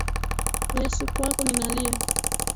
Yesu kwako ninalia